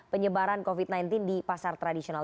penyebaran covid sembilan belas di pasar tradisional